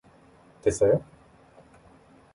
됐어요?